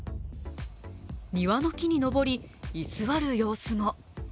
庭の木に登り、居座る様子も。